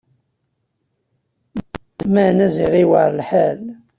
Meɛna ziɣ i yuɛer lḥal!